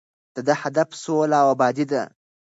د ده هدف سوله او ابادي ده.